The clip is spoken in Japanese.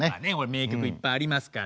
名曲いっぱいありますから。